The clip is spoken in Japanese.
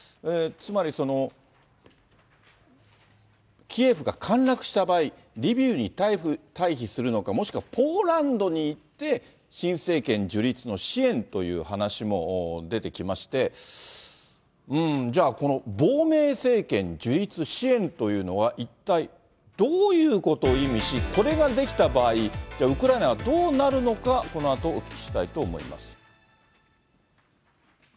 つまり、キエフが陥落した場合、リビウに退避するのか、もしくはポーランドに行って、新政権樹立の支援という話も出てきまして、うーん、じゃあこの亡命政権樹立支援というのは一体どういうことを意味し、これができた場合、じゃあ、ウクライナどうなるのか、このあとお聞きしたいと思います。